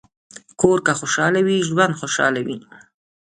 کور که خوشحال وي، ژوند خوشحال وي.